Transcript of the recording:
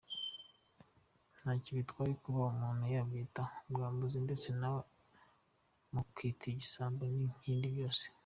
Ntacyobitwaye kuba umuntu yabyita ubwambuzi ndetse namwe mukitwa ibisambo nkibindi byose.